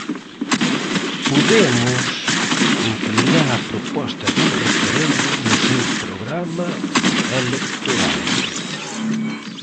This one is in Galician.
Podemos incluirá a proposta dun referendo no seu programa electoral.